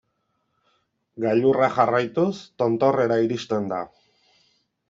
Gailurra jarraituz, tontorrera iristen da.